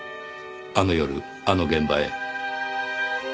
あの夜あの現場へ。